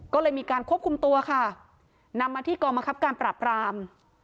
ก็เลยมีการควบคุมตัวค่ะนำมาที่กองบังคับการปราบราม